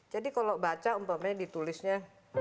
jadi kalau baca umpamanya ditulisnya